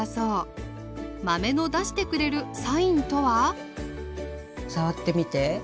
豆の出してくれるサインとは触ってみて。